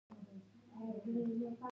چین د نړۍ تر ټولو ډېر ذخیره کوي.